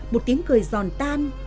một tiếng cười giòn tan